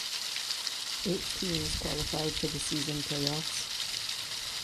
Eight teams qualified for the season playoffs.